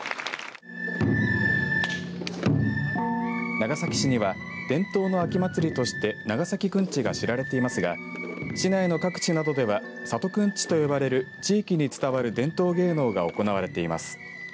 長崎市には伝統の秋祭りとして長崎くんちが知られていますが市内の各地などでは郷くんちと呼ばれる地域に伝わる伝統芸能が行われています。